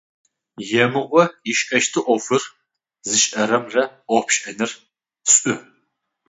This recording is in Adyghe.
Емыӏо ышӏэщты ӏофыр зышӏэрэмрэ ӏоф пшӏэныр шӏу.